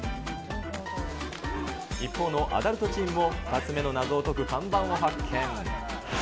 一方のアダルトチームも、２つ目の謎を解く看板を発見。